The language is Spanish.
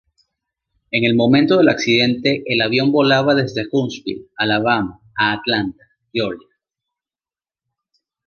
En el momento del accidente el avión volaba desde Huntsville, Alabama a Atlanta, Georgia.